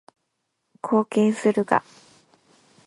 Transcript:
貢献するが